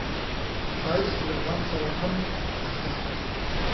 ښایست له غم سره هم ښايسته ښکاري